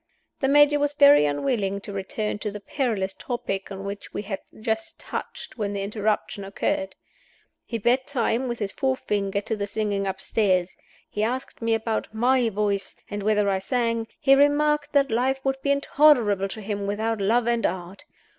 The Major was very unwilling to return to the perilous topic on which we had just touched when the interruption occurred. He beat time with his forefinger to the singing upstairs; he asked me about my voice, and whether I sang; he remarked that life would be intolerable to him without Love and Art.